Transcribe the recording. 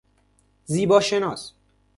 زیباشناس